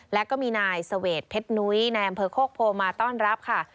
แล้วก็มีนายเสเวร์ดพร็ท์นุ้ยในอำเภอโครกโพย์มาต้อนรับค่ะ